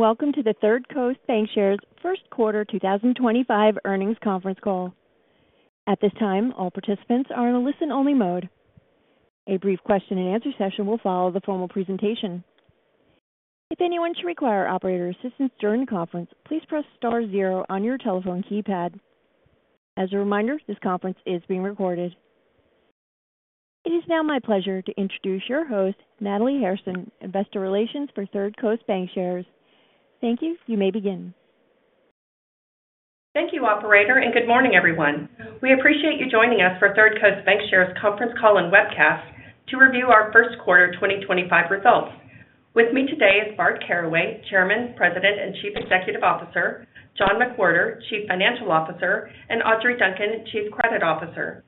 Welcome to the Third Coast Bancshares First Quarter 2025 Earnings Conference Call. At this time, all participants are in a listen-only mode. A brief question-and-answer session will follow the formal presentation. If anyone should require operator assistance during the conference, please press star zero on your telephone keypad. As a reminder, this conference is being recorded. It is now my pleasure to introduce your host, Natalie Harrison, Investor Relations for Third Coast Bancshares. Thank you. You may begin. Thank you, Operator, and good morning, everyone. We appreciate you joining us for Third Coast Bancshares conference call and webcast to review our first quarter 2025 results. With me today are Bart Caraway, Chairman, President, and Chief Executive Officer; John McWhorter, Chief Financial Officer; and Audrey Duncan, Chief Credit Officer.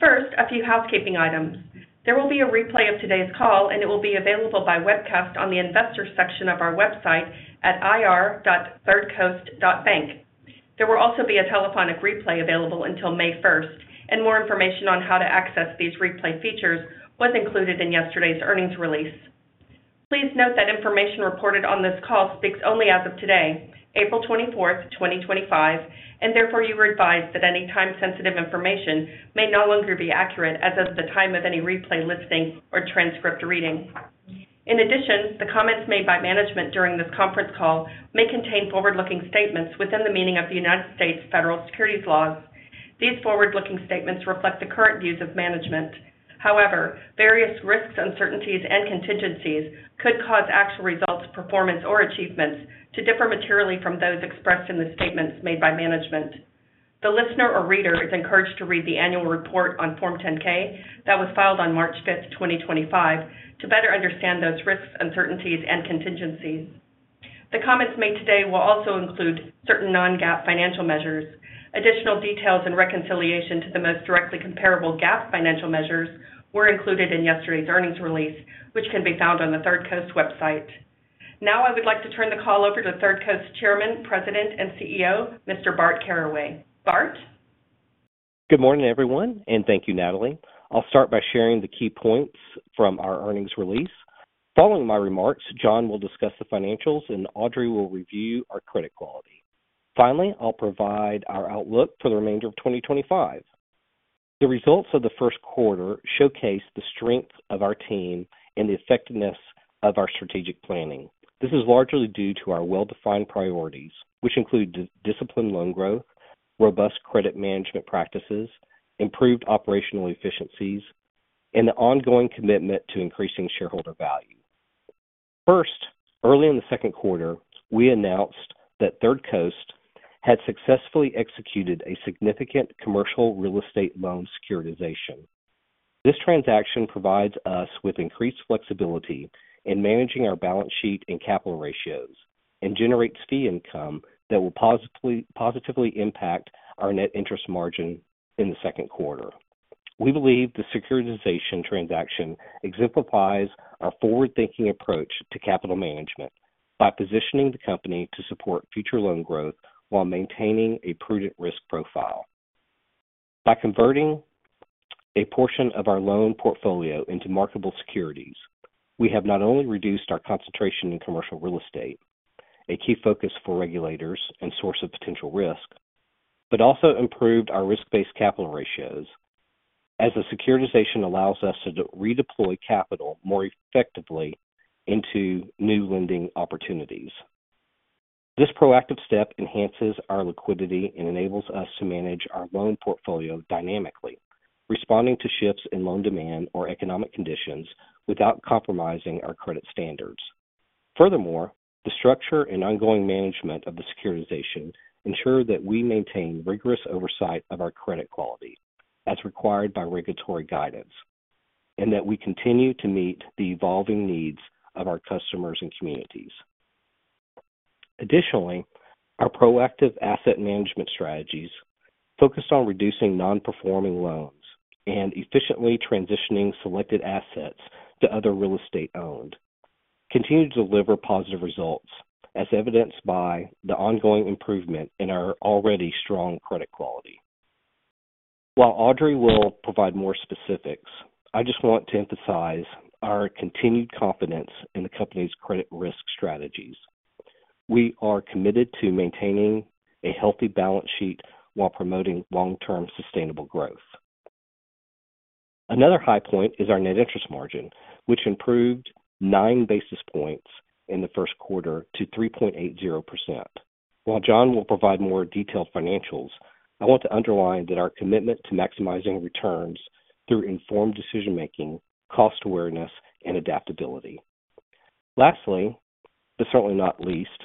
First, a few housekeeping items. There will be a replay of today's call, and it will be available by webcast on the investor section of our website at ir.thirdcoast.bank. There will also be a telephonic replay available until May 1, and more information on how to access these replay features was included in yesterday's earnings release. Please note that information reported on this call speaks only as of today, April 24, 2025, and therefore you are advised that any time-sensitive information may no longer be accurate as of the time of any replay listening or transcript reading. In addition, the comments made by management during this conference call may contain forward-looking statements within the meaning of the United States federal securities laws. These forward-looking statements reflect the current views of management. However, various risks, uncertainties, and contingencies could cause actual results, performance, or achievements to differ materially from those expressed in the statements made by management. The listener or reader is encouraged to read the annual report on Form 10-K that was filed on March 5, 2025, to better understand those risks, uncertainties, and contingencies. The comments made today will also include certain non-GAAP financial measures. Additional details and reconciliation to the most directly comparable GAAP financial measures were included in yesterday's earnings release, which can be found on the Third Coast website. Now, I would like to turn the call over to Third Coast Chairman, President, and CEO, Mr. Bart Caraway. Bart. Good morning, everyone, and thank you, Natalie. I'll start by sharing the key points from our earnings release. Following my remarks, John will discuss the financials, and Audrey will review our credit quality. Finally, I'll provide our outlook for the remainder of 2025. The results of the first quarter showcase the strength of our team and the effectiveness of our strategic planning. This is largely due to our well-defined priorities, which include disciplined loan growth, robust credit management practices, improved operational efficiencies, and the ongoing commitment to increasing shareholder value. First, early in the second quarter, we announced that Third Coast had successfully executed a significant commercial real estate loan securitization. This transaction provides us with increased flexibility in managing our balance sheet and capital ratios and generates fee income that will positively impact our net interest margin in the second quarter. We believe the securitization transaction exemplifies our forward-thinking approach to capital management by positioning the company to support future loan growth while maintaining a prudent risk profile. By converting a portion of our loan portfolio into marketable securities, we have not only reduced our concentration in commercial real estate, a key focus for regulators and source of potential risk, but also improved our risk-based capital ratios as the securitization allows us to redeploy capital more effectively into new lending opportunities. This proactive step enhances our liquidity and enables us to manage our loan portfolio dynamically, responding to shifts in loan demand or economic conditions without compromising our credit standards. Furthermore, the structure and ongoing management of the securitization ensure that we maintain rigorous oversight of our credit quality as required by regulatory guidance and that we continue to meet the evolving needs of our customers and communities. Additionally, our proactive asset management strategies focused on reducing non-performing loans and efficiently transitioning selected assets to other real estate owned continue to deliver positive results, as evidenced by the ongoing improvement in our already strong credit quality. While Audrey will provide more specifics, I just want to emphasize our continued confidence in the company's credit risk strategies. We are committed to maintaining a healthy balance sheet while promoting long-term sustainable growth. Another high point is our net interest margin, which improved 9 basis points in the first quarter to 3.80%. While John will provide more detailed financials, I want to underline that our commitment to maximizing returns through informed decision-making, cost awareness, and adaptability. Lastly, but certainly not least,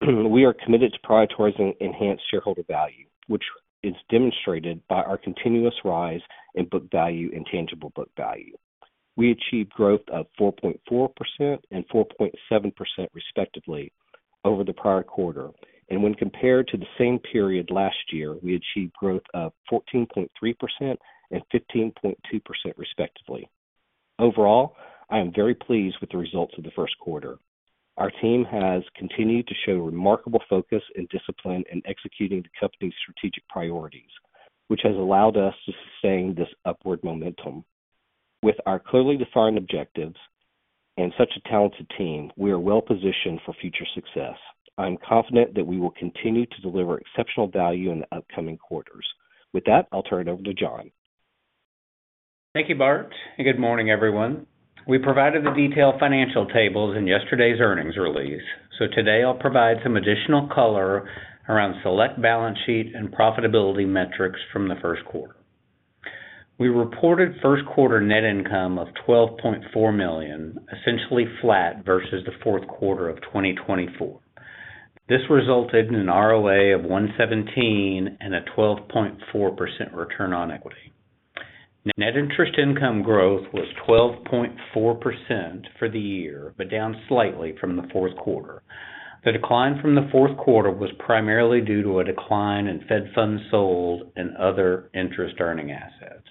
we are committed to prioritizing enhanced shareholder value, which is demonstrated by our continuous rise in book value and tangible book value. We achieved growth of 4.4% and 4.7% respectively over the prior quarter, and when compared to the same period last year, we achieved growth of 14.3% and 15.2% respectively. Overall, I am very pleased with the results of the first quarter. Our team has continued to show remarkable focus and discipline in executing the company's strategic priorities, which has allowed us to sustain this upward momentum. With our clearly defined objectives and such a talented team, we are well-positioned for future success. I'm confident that we will continue to deliver exceptional value in the upcoming quarters. With that, I'll turn it over to John. Thank you, Bart, and good morning, everyone. We provided the detailed financial tables in yesterday's earnings release, so today I'll provide some additional color around select balance sheet and profitability metrics from the first quarter. We reported first quarter net income of $12.4 million, essentially flat versus the fourth quarter of 2024. This resulted in an ROA of 1.17% and a 12.4% return on equity. Net interest income growth was 12.4% for the year, but down slightly from the fourth quarter. The decline from the fourth quarter was primarily due to a decline in Fed funds sold and other interest-earning assets.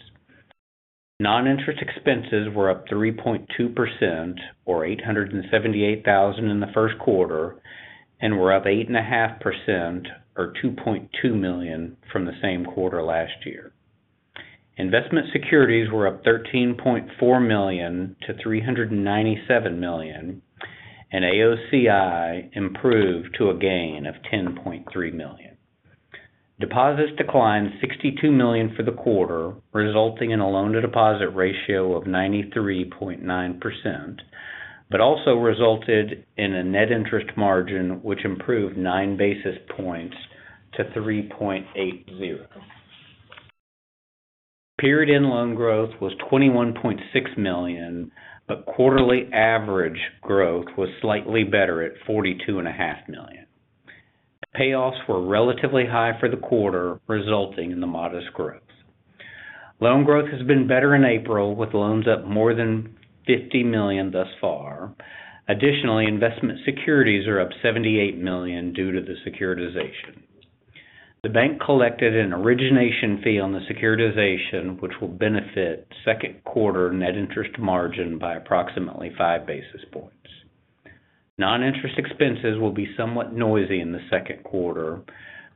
Non-interest expenses were up 3.2%, or $878,000 in the first quarter, and were up 8.5%, or $2.2 million, from the same quarter last year. Investment securities were up $13.4 million to $397 million, and AOCI improved to a gain of $10.3 million. Deposits declined $62 million for the quarter, resulting in a loan-to-deposit ratio of 93.9%, but also resulted in a net interest margin which improved 9 basis points to 3.80%. Period-end loan growth was $21.6 million, but quarterly average growth was slightly better at $42.5 million. Payoffs were relatively high for the quarter, resulting in the modest growth. Loan growth has been better in April, with loans up more than $50 million thus far. Additionally, investment securities are up $78 million due to the securitization. The bank collected an origination fee on the securitization, which will benefit second quarter net interest margin by approximately 5 basis points. Non-interest expenses will be somewhat noisy in the second quarter,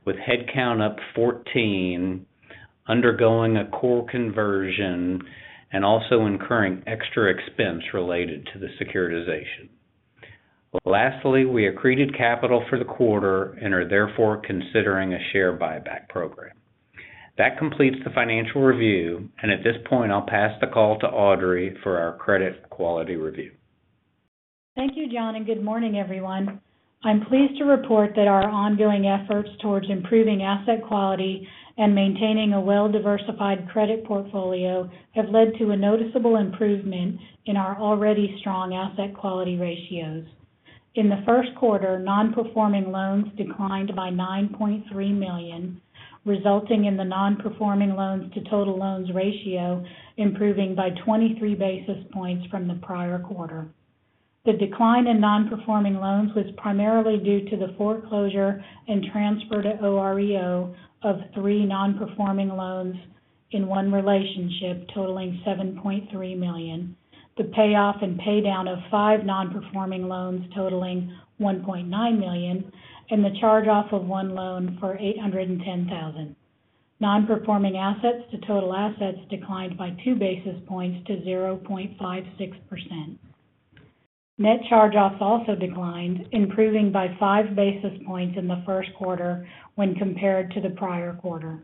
with headcount up 14, undergoing a core conversion and also incurring extra expense related to the securitization. Lastly, we accreted capital for the quarter and are therefore considering a share buyback program. That completes the financial review, and at this point, I'll pass the call to Audrey for our credit quality review. Thank you, John, and good morning, everyone. I'm pleased to report that our ongoing efforts towards improving asset quality and maintaining a well-diversified credit portfolio have led to a noticeable improvement in our already strong asset quality ratios. In the first quarter, non-performing loans declined by $9.3 million, resulting in the non-performing loans to total loans ratio improving by 23 basis points from the prior quarter. The decline in non-performing loans was primarily due to the foreclosure and transfer to OREO of three non-performing loans in one relationship totaling $7.3 million, the payoff and paydown of five non-performing loans totaling $1.9 million, and the charge-off of one loan for $810,000. Non-performing assets to total assets declined by two basis points to 0.56%. Net charge-offs also declined, improving by 5 basis points in the first quarter when compared to the prior quarter.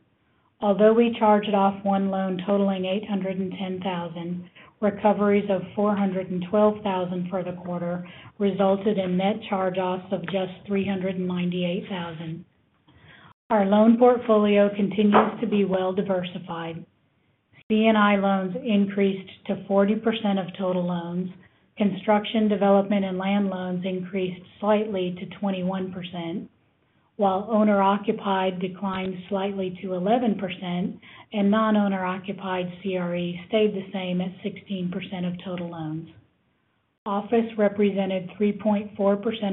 Although we charged off one loan totaling $810,000, recoveries of $412,000 for the quarter resulted in net charge-offs of just $398,000. Our loan portfolio continues to be well-diversified. C&I loans increased to 40% of total loans. Construction, development, and land loans increased slightly to 21%, while owner-occupied declined slightly to 11%, and non-owner-occupied CRE stayed the same at 16% of total loans. Office represented 3.4%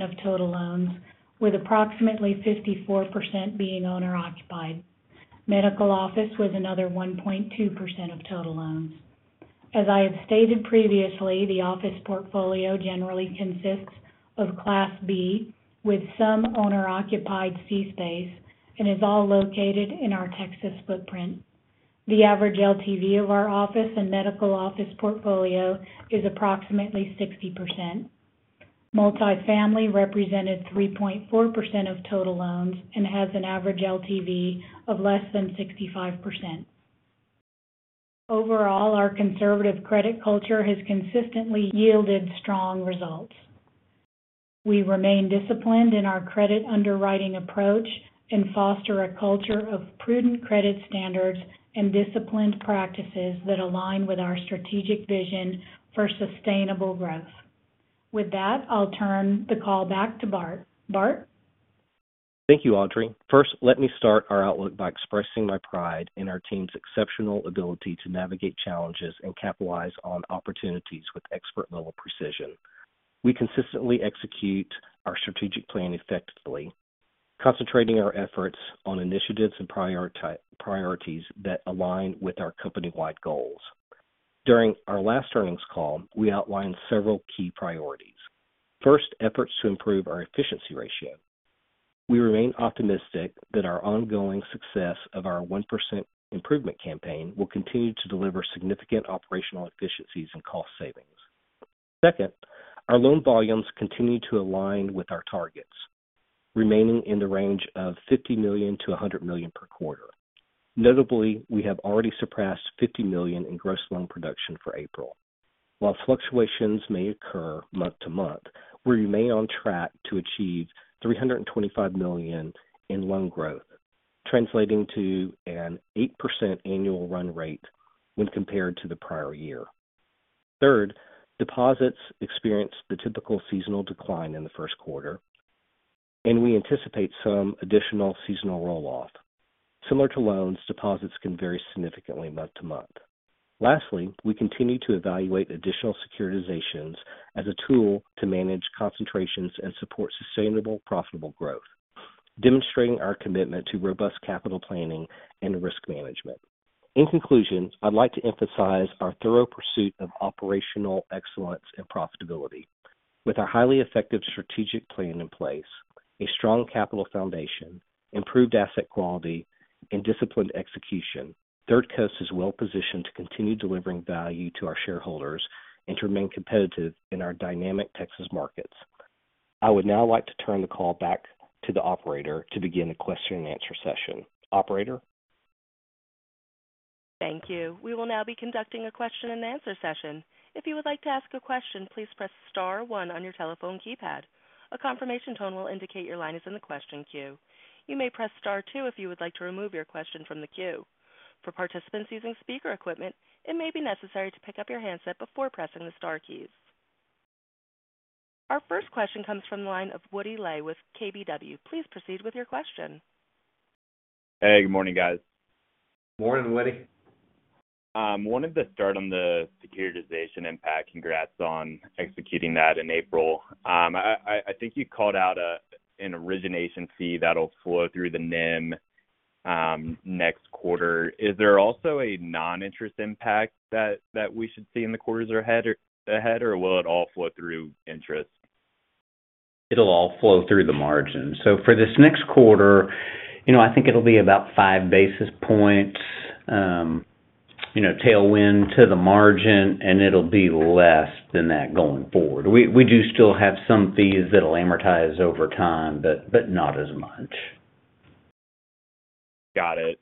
of total loans, with approximately 54% being owner-occupied. Medical office was another 1.2% of total loans. As I have stated previously, the office portfolio generally consists of Class B with some owner-occupied C space and is all located in our Texas footprint. The average LTV of our office and medical office portfolio is approximately 60%. Multifamily represented 3.4% of total loans and has an average LTV of less than 65%. Overall, our conservative credit culture has consistently yielded strong results. We remain disciplined in our credit underwriting approach and foster a culture of prudent credit standards and disciplined practices that align with our strategic vision for sustainable growth. With that, I'll turn the call back to Bart. Bart? Thank you, Audrey. First, let me start our outlook by expressing my pride in our team's exceptional ability to navigate challenges and capitalize on opportunities with expert-level precision. We consistently execute our strategic plan effectively, concentrating our efforts on initiatives and priorities that align with our company-wide goals. During our last earnings call, we outlined several key priorities. First, efforts to improve our efficiency ratio. We remain optimistic that our ongoing success of our 1% improvement campaign will continue to deliver significant operational efficiencies and cost savings. Second, our loan volumes continue to align with our targets, remaining in the range of $50 million-$100 million per quarter. Notably, we have already surpassed $50 million in gross loan production for April. While fluctuations may occur month to month, we remain on track to achieve $325 million in loan growth, translating to an 8% annual run rate when compared to the prior year. Third, deposits experienced the typical seasonal decline in the first quarter, and we anticipate some additional seasonal rolloff. Similar to loans, deposits can vary significantly month to month. Lastly, we continue to evaluate additional securitizations as a tool to manage concentrations and support sustainable profitable growth, demonstrating our commitment to robust capital planning and risk management. In conclusion, I'd like to emphasize our thorough pursuit of operational excellence and profitability. With our highly effective strategic plan in place, a strong capital foundation, improved asset quality, and disciplined execution, Third Coast is well-positioned to continue delivering value to our shareholders and to remain competitive in our dynamic Texas markets. I would now like to turn the call back to the operator to begin the question-and-answer session. Operator. Thank you. We will now be conducting a question-and-answer session. If you would like to ask a question, please press star one on your telephone keypad. A confirmation tone will indicate your line is in the question queue. You may press star two if you would like to remove your question from the queue. For participants using speaker equipment, it may be necessary to pick up your handset before pressing the star keys. Our first question comes from the line of Woody Lay with KBW. Please proceed with your question. Hey, good morning, guys. Morning, Woody. I wanted to start on the securitization impact. Congrats on executing that in April. I think you called out an origination fee that'll flow through the NIM next quarter. Is there also a non-interest impact that we should see in the quarters ahead, or will it all flow through interest? It'll all flow through the margin. For this next quarter, I think it'll be about 5 basis points tailwind to the margin, and it'll be less than that going forward. We do still have some fees that'll amortize over time, but not as much. Got it.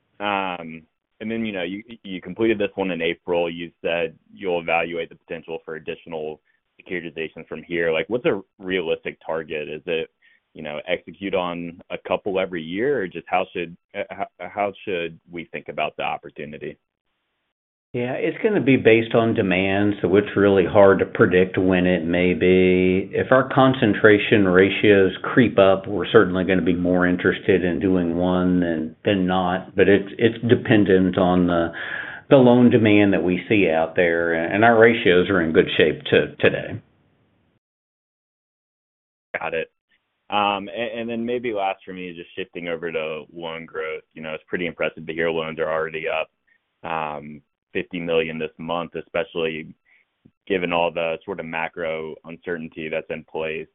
You completed this one in April. You said you'll evaluate the potential for additional securitization from here. What's a realistic target? Is it execute on a couple every year, or just how should we think about the opportunity? Yeah, it's going to be based on demand, so it's really hard to predict when it may be. If our concentration ratios creep up, we're certainly going to be more interested in doing one than not, but it's dependent on the loan demand that we see out there, and our ratios are in good shape today. Got it. Maybe last for me, just shifting over to loan growth. It's pretty impressive to hear loans are already up $50 million this month, especially given all the sort of macro uncertainty that's in place.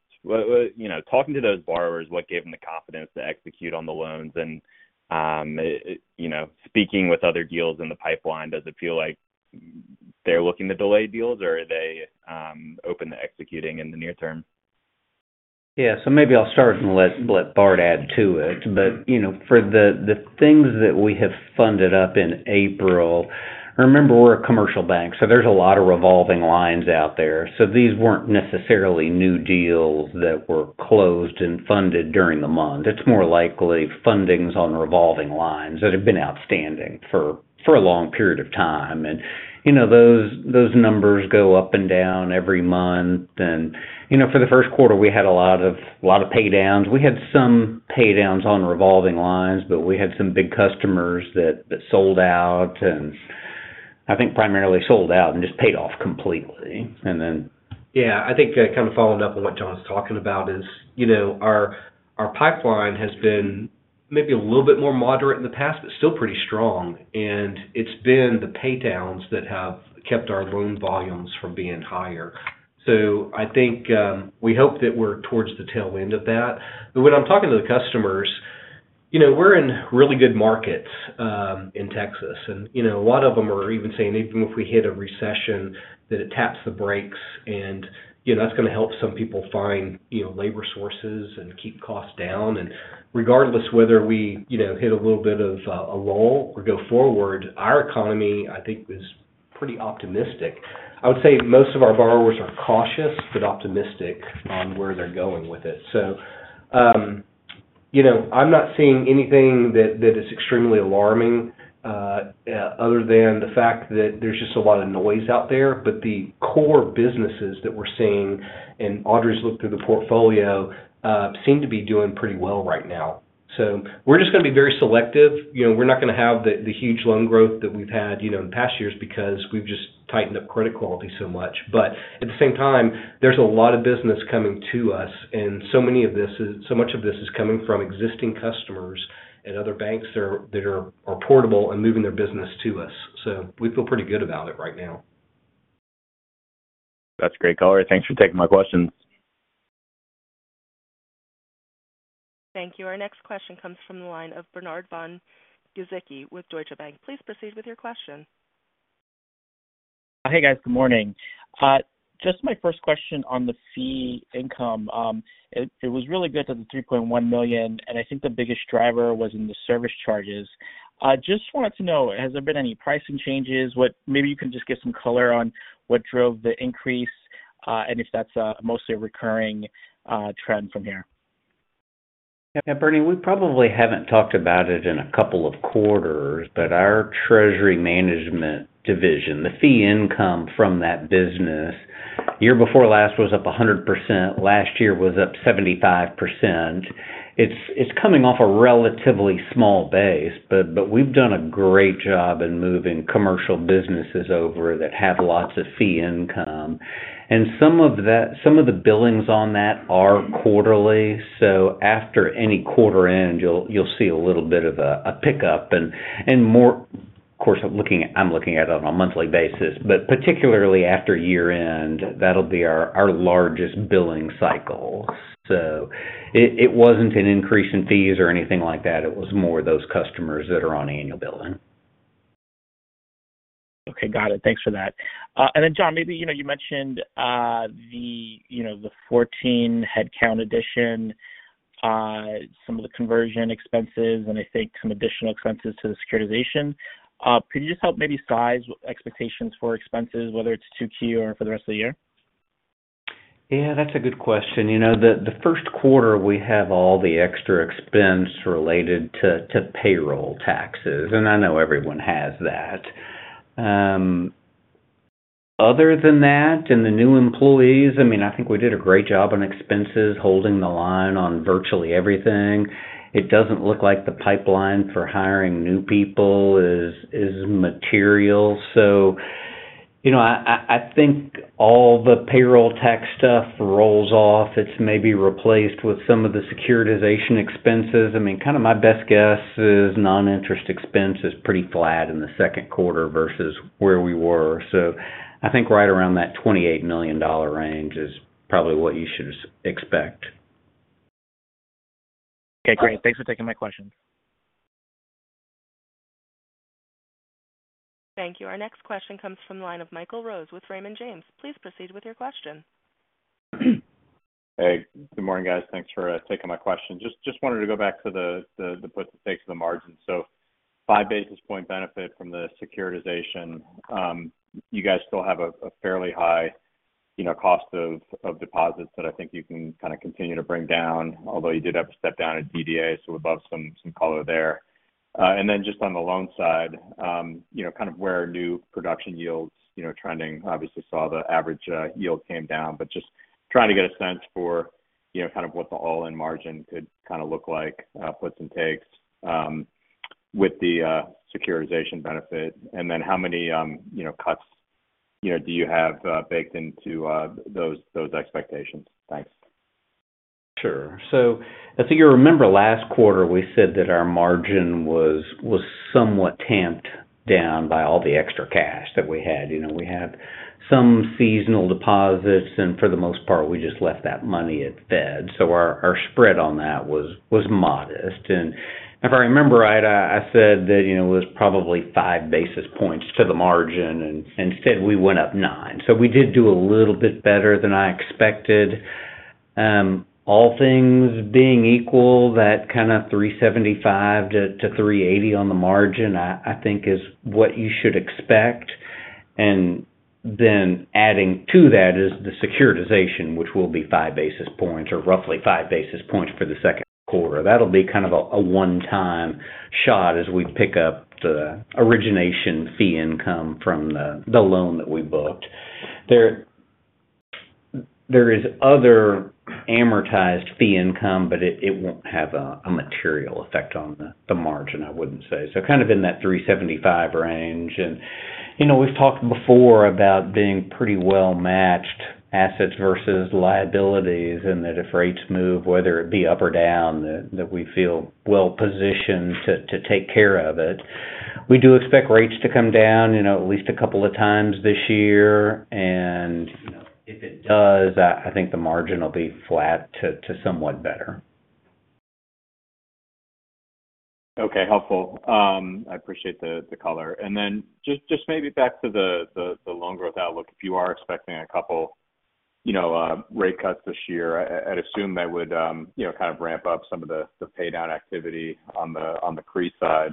Talking to those borrowers, what gave them the confidence to execute on the loans? Speaking with other deals in the pipeline, does it feel like they're looking to delay deals, or are they open to executing in the near term? Yeah, maybe I'll start and let Bart add to it. For the things that we have funded up in April, remember, we're a commercial bank, so there's a lot of revolving lines out there. These weren't necessarily new deals that were closed and funded during the month. It's more likely fundings on revolving lines that have been outstanding for a long period of time. Those numbers go up and down every month. For the first quarter, we had a lot of paydowns. We had some paydowns on revolving lines, but we had some big customers that sold out and I think primarily sold out and just paid off completely. Yeah, I think kind of following up on what John's talking about is our pipeline has been maybe a little bit more moderate in the past, but still pretty strong. It's been the paydowns that have kept our loan volumes from being higher. I think we hope that we're towards the tailwind of that. When I'm talking to the customers, we're in really good markets in Texas. A lot of them are even saying, even if we hit a recession, that it taps the brakes, and that's going to help some people find labor sources and keep costs down. Regardless of whether we hit a little bit of a lull or go forward, our economy, I think, is pretty optimistic. I would say most of our borrowers are cautious but optimistic on where they're going with it. I'm not seeing anything that is extremely alarming other than the fact that there's just a lot of noise out there. The core businesses that we're seeing, and Audrey's looked through the portfolio, seem to be doing pretty well right now. We're just going to be very selective. We're not going to have the huge loan growth that we've had in past years because we've just tightened up credit quality so much. At the same time, there's a lot of business coming to us, and so much of this is coming from existing customers and other banks that are portable and moving their business to us. We feel pretty good about it right now. That's great, color. Thanks for taking my questions. Thank you. Our next question comes from the line of Bernard Von Gizycki with Deutsche Bank. Please proceed with your question. Hey, guys. Good morning. Just my first question on the fee income. It was really good to the $3.1 million, and I think the biggest driver was in the service charges. Just wanted to know, has there been any pricing changes? Maybe you can just give some color on what drove the increase and if that's mostly a recurring trend from here. Yeah, Bernie, we probably haven't talked about it in a couple of quarters, but our treasury management division, the fee income from that business, year before last was up 100%. Last year was up 75%. It's coming off a relatively small base, but we've done a great job in moving commercial businesses over that have lots of fee income. Some of the billings on that are quarterly. After any quarter end, you'll see a little bit of a pickup. More, of course, I'm looking at it on a monthly basis, but particularly after year-end, that'll be our largest billing cycle. It wasn't an increase in fees or anything like that. It was more those customers that are on annual billing. Okay, got it. Thanks for that. John, maybe you mentioned the 14 headcount addition, some of the conversion expenses, and I think some additional expenses to the securitization. Could you just help maybe size expectations for expenses, whether it's 2Q or for the rest of the year? Yeah, that's a good question. The first quarter, we have all the extra expense related to payroll taxes, and I know everyone has that. Other than that, and the new employees, I mean, I think we did a great job on expenses, holding the line on virtually everything. It doesn't look like the pipeline for hiring new people is material. I think all the payroll tax stuff rolls off. It's maybe replaced with some of the securitization expenses. I mean, kind of my best guess is non-interest expense is pretty flat in the second quarter versus where we were. I think right around that $28 million range is probably what you should expect. Okay, great. Thanks for taking my question. Thank you. Our next question comes from the line of Michael Rose with Raymond James. Please proceed with your question. Hey, good morning, guys. Thanks for taking my question. Just wanted to go back to the puts and takes to the margin. 5 basis point benefit from the securitization. You guys still have a fairly high cost of deposits that I think you can kind of continue to bring down, although you did have a step down in DDA, so would love some color there. Just on the loan side, kind of where new production yields trending, obviously saw the average yield came down, but just trying to get a sense for kind of what the all-in margin could kind of look like, puts and takes with the securitization benefit. How many cuts do you have baked into those expectations? Thanks. Sure. I think you'll remember last quarter, we said that our margin was somewhat tamped down by all the extra cash that we had. We had some seasonal deposits, and for the most part, we just left that money at Fed. Our spread on that was modest. If I remember right, I said that it was probably 5 basis points to the margin, and instead, we went up 9 basis points. We did do a little bit better than I expected. All things being equal, that kind of 3.75%-3.80% on the margin, I think, is what you should expect. Adding to that is the securitization, which will be 5 basis points or roughly 5 basis points for the second quarter. That will be kind of a one-time shot as we pick up the origination fee income from the loan that we booked. There is other amortized fee income, but it won't have a material effect on the margin, I wouldn't say. Kind of in that 3.75% range. We've talked before about being pretty well-matched assets versus liabilities and that if rates move, whether it be up or down, we feel well-positioned to take care of it. We do expect rates to come down at least a couple of times this year. If it does, I think the margin will be flat to somewhat better. Okay, helpful. I appreciate the color. Just maybe back to the loan growth outlook, if you are expecting a couple rate cuts this year, I'd assume that would kind of ramp up some of the paydown activity on the CRE side.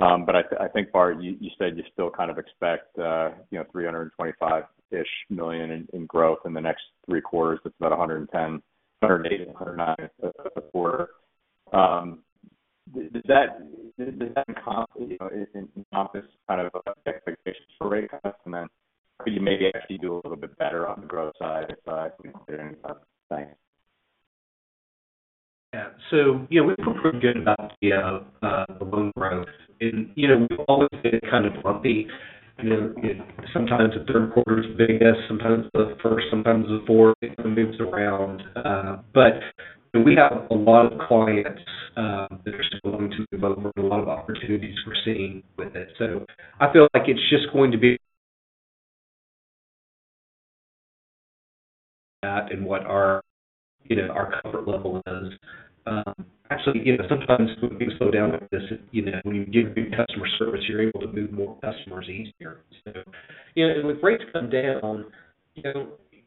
I think, Bart, you said you still kind of expect $325-ish million in growth in the next three quarters. That's about $110 million, $180 million, $109 million a quarter. Does that encompass kind of expectations for rate cuts? Could you maybe actually do a little bit better on the growth side if there's anything else? Thanks. Yeah. We've been pretty good about the loan growth. We've always been kind of lumpy. Sometimes the third quarter is the biggest, sometimes the first, sometimes the fourth, it moves around. We have a lot of clients that are still going to move over, a lot of opportunities we're seeing with it. I feel like it's just going to be that and what our comfort level is. Actually, sometimes when things slow down like this, when you give good customer service, you're able to move more customers easier. With rates coming down,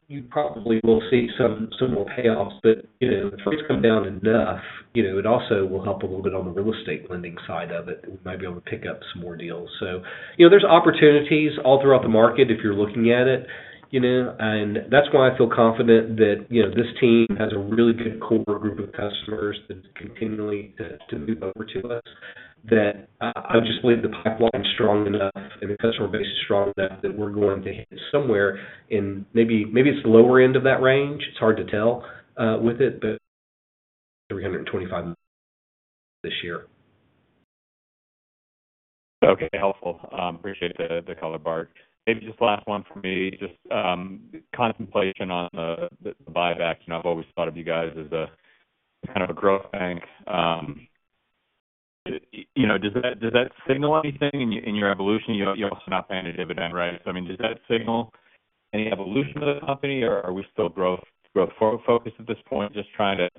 you probably will see some more payoffs. If rates come down enough, it also will help a little bit on the real estate lending side of it. We might be able to pick up some more deals. There are opportunities all throughout the market if you're looking at it. That is why I feel confident that this team has a really good core group of customers that is continuing to move over to us, that I just believe the pipeline is strong enough and the customer base is strong enough that we are going to hit somewhere in maybe it is the lower end of that range. It is hard to tell with it, but $325 this year. Okay, helpful. Appreciate the color, Bart. Maybe just last one for me, just contemplation on the buyback. I've always thought of you guys as kind of a growth bank. Does that signal anything in your evolution? You also now paying a dividend, right? I mean, does that signal any evolution of the company, or are we still growth-focused at this point? Just trying to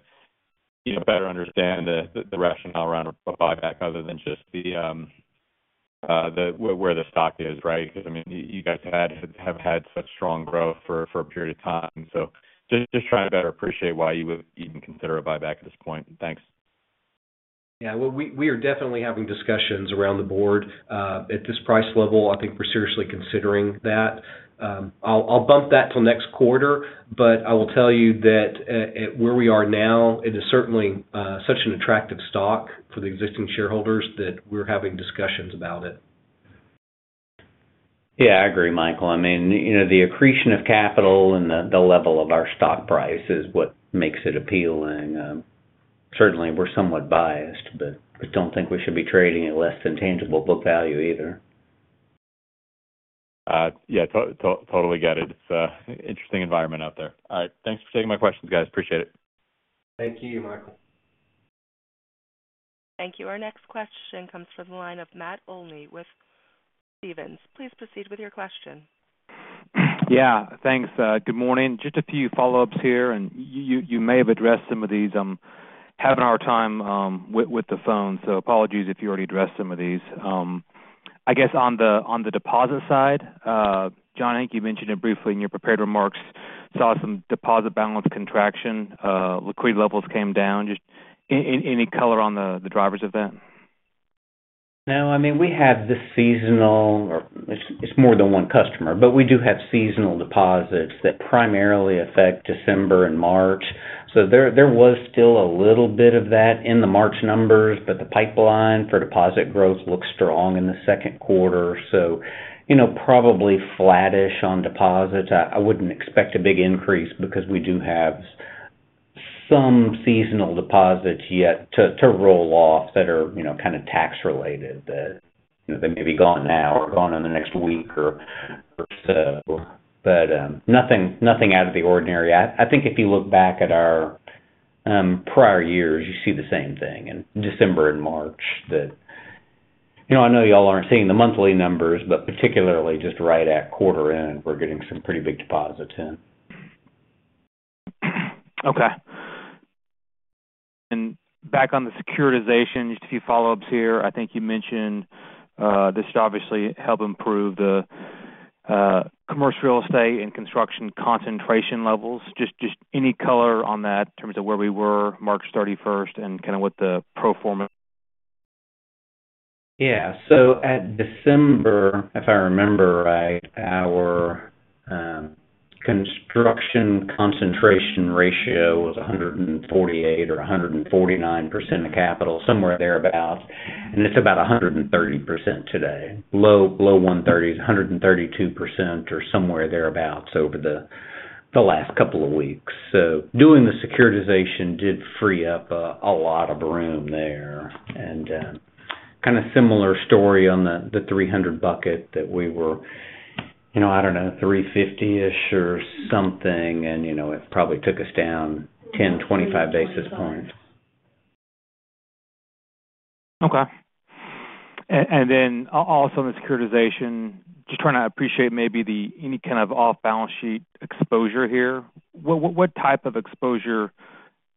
better understand the rationale around a buyback other than just where the stock is, right? I mean, you guys have had such strong growth for a period of time. Just trying to better appreciate why you would even consider a buyback at this point. Thanks. Yeah, we are definitely having discussions around the board. At this price level, I think we're seriously considering that. I'll bump that till next quarter, but I will tell you that where we are now, it is certainly such an attractive stock for the existing shareholders that we're having discussions about it. Yeah, I agree, Michael. I mean, the accretion of capital and the level of our stock price is what makes it appealing. Certainly, we're somewhat biased, but I don't think we should be trading at less than tangible book value either. Yeah, totally get it. It's an interesting environment out there. All right. Thanks for taking my questions, guys. Appreciate it. Thank you, Michael. Thank you. Our next question comes from the line of Matt Olney with Stephens. Please proceed with your question. Yeah, thanks. Good morning. Just a few follow-ups here, and you may have addressed some of these. I'm having a hard time with the phone, so apologies if you already addressed some of these. I guess on the deposit side, John, you mentioned it briefly in your prepared remarks, saw some deposit balance contraction, liquidity levels came down. Just any color on the drivers of that? No, I mean, we have the seasonal or it's more than one customer, but we do have seasonal deposits that primarily affect December and March. There was still a little bit of that in the March numbers, but the pipeline for deposit growth looks strong in the second quarter. Probably flattish on deposits. I wouldn't expect a big increase because we do have some seasonal deposits yet to roll off that are kind of tax-related that may be gone now or gone in the next week or so. Nothing out of the ordinary. I think if you look back at our prior years, you see the same thing in December and March. I know y'all aren't seeing the monthly numbers, but particularly just right at quarter end, we're getting some pretty big deposits in. Okay. Back on the securitization, just a few follow-ups here. I think you mentioned this should obviously help improve the commercial real estate and construction concentration levels. Just any color on that in terms of where we were March 31, and kind of what the pro forma? Yeah. At December, if I remember right, our construction concentration ratio was 148% or 149% of capital, somewhere thereabouts. It is about 130% today. Low 130s, 132% or somewhere thereabouts over the last couple of weeks. Doing the securitization did free up a lot of room there. Kind of similar story on the 300 bucket that we were, I do not know, 350-ish or something, and it probably took us down 10-25 basis points. Okay. Also on the securitization, just trying to appreciate maybe any kind of off-balance sheet exposure here. What type of exposure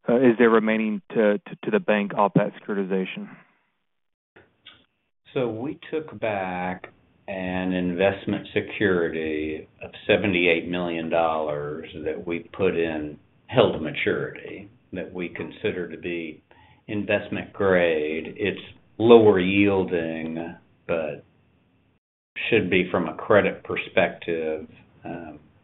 is there remaining to the bank off that securitization? We took back an investment security of $78 million that we put in held to maturity that we consider to be investment grade. It's lower yielding, but should be, from a credit perspective,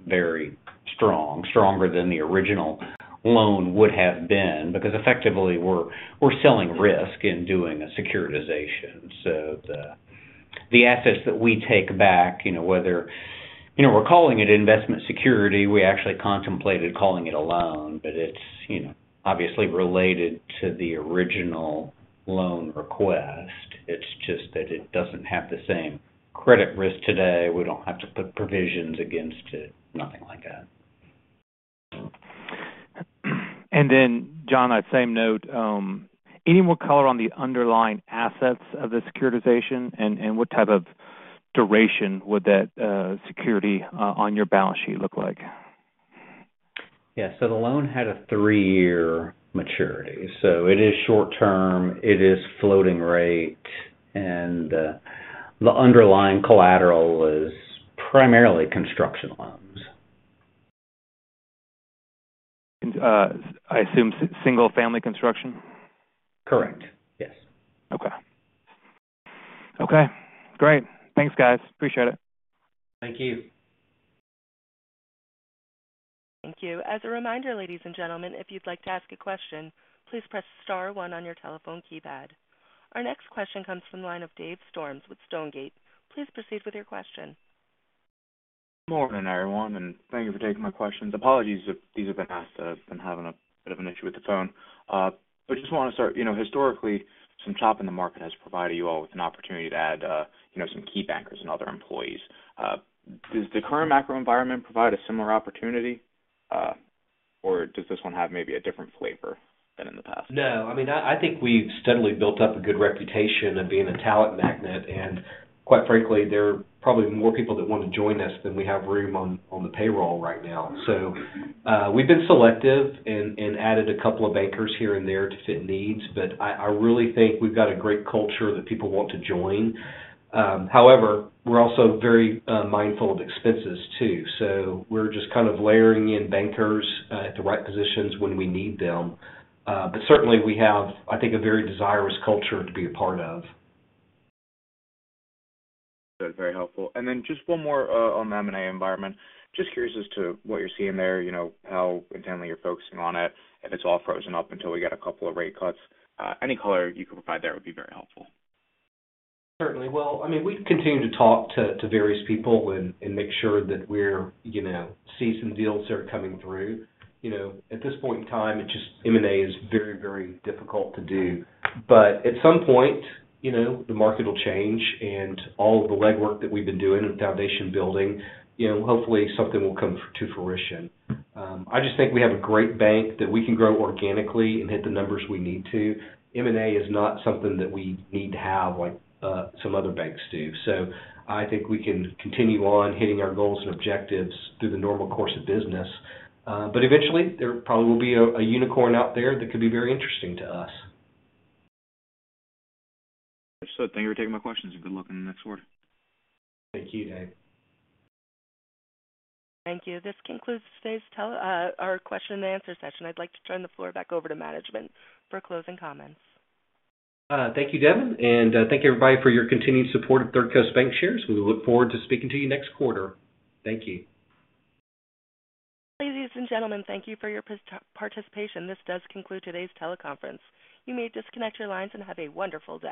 very strong, stronger than the original loan would have been because effectively, we're selling risk in doing a securitization. The assets that we take back, whether we're calling it investment security, we actually contemplated calling it a loan, but it's obviously related to the original loan request. It's just that it doesn't have the same credit risk today. We don't have to put provisions against it, nothing like that. John, on the same note, any more color on the underlying assets of the securitization and what type of duration would that security on your balance sheet look like? Yeah. The loan had a three-year maturity. It is short-term. It is floating rate. The underlying collateral is primarily construction loans. I assume single-family construction? Correct. Yes. Okay. Okay. Great. Thanks, guys. Appreciate it. Thank you. Thank you. As a reminder, ladies and gentlemen, if you'd like to ask a question, please press star one on your telephone keypad. Our next question comes from the line of Dave Storms with Stonegate. Please proceed with your question. Good morning, everyone, and thank you for taking my questions. Apologies if these have been asked. I've been having a bit of an issue with the phone. Just want to start, historically, some chop in the market has provided you all with an opportunity to add some key bankers and other employees. Does the current macro environment provide a similar opportunity, or does this one have maybe a different flavor than in the past? No. I mean, I think we've steadily built up a good reputation of being a talent magnet. And quite frankly, there are probably more people that want to join us than we have room on the payroll right now. We've been selective and added a couple of bankers here and there to fit needs, but I really think we've got a great culture that people want to join. However, we're also very mindful of expenses too. We're just kind of layering in bankers at the right positions when we need them. Certainly, we have, I think, a very desirous culture to be a part of. That's very helpful. Just one more on the M&A environment. Just curious as to what you're seeing there, how intently you're focusing on it, if it's all frozen up until we get a couple of rate cuts. Any color you could provide there would be very helpful. Certainly. I mean, we continue to talk to various people and make sure that we see some deals that are coming through. At this point in time, M&A is very, very difficult to do. At some point, the market will change, and all of the legwork that we've been doing and foundation building, hopefully, something will come to fruition. I just think we have a great bank that we can grow organically and hit the numbers we need to. M&A is not something that we need to have like some other banks do. I think we can continue on hitting our goals and objectives through the normal course of business. Eventually, there probably will be a unicorn out there that could be very interesting to us. That's it. Thank you for taking my questions. Good luck in the next quarter. Thank you, Dave. Thank you. This concludes today's question-and-answer session. I'd like to turn the floor back over to management for closing comments. Thank you, Devin. Thank you, everybody, for your continued support of Third Coast Bancshares. We look forward to speaking to you next quarter. Thank you. Ladies and gentlemen, thank you for your participation. This does conclude today's teleconference. You may disconnect your lines and have a wonderful day.